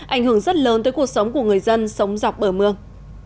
ảnh hưởng rất lớn tới cuộc sống của người dân sống dọc bờ mương